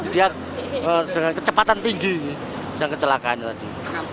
dia dengan kecepatan tinggi yang kecelakaannya tadi